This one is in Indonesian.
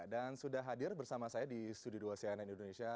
dan sudah hadir bersama saya di studio dua cn indonesia